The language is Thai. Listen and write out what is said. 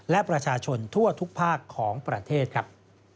และประชาชนทั่วทุกภาคของประเทศครับ